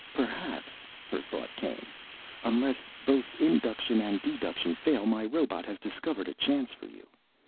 "Perhaps," her thought came. "Unless both induction and deduction fail, my robot has discovered a chance for you.